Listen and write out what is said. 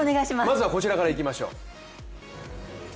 まずはこちらからいきましょう。